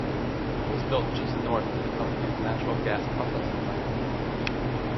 It was built just north of the company's natural gas processing plant.